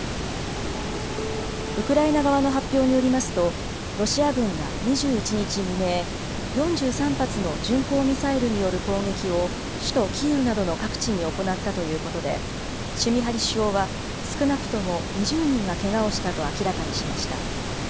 ウクライナ側の発表によりますと、ロシア軍が２１日未明、４３発の巡航ミサイルによる攻撃を、首都キーウなどの各地に行ったということで、シュミハリ首相は、少なくとも２０人がけがをしたと明らかにしました。